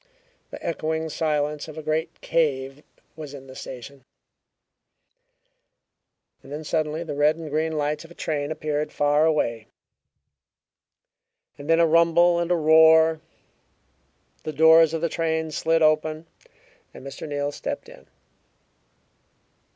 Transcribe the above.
The echoing silence of a great cave was in the station. Then suddenly the red and green lights of a train appeared far away; then a rumble and a roar, the doors of the train slid open and Mr. Neal stepped in.